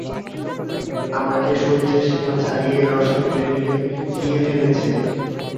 আমাকে সহ্যের সীমা ছাড়িয়ে রসাতলে নিয়ে গিয়ে ফেলছে।